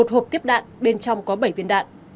một hộp tiếp đạn bên trong có bảy viên đạn